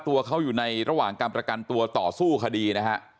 ตัวเขาอยู่ในระหว่างการประกันตัวต่อสู้คดีนะฮะ